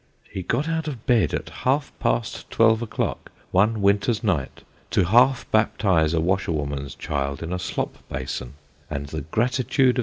Ho got out of bed at half past twelve o'clock one winter's night, to half baptise a washerwoman's child in a slop basin, and the gratitude of 6 Sketches by Bos.